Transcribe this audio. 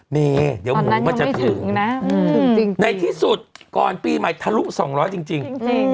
เมย์เดี๋ยวหมูมันจะถึงนะในที่สุดก่อนปีใหม่ทะลุ๒๐๐จริง